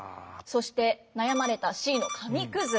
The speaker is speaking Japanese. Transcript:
そして悩まれたＣの紙くず。